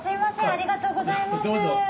ありがとうございます。